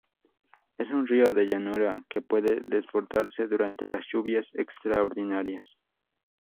Es un río de llanura, que puede desbordarse durante las lluvias extraordinarias.